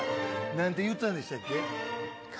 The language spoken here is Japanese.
何て言ったんでしたっけ？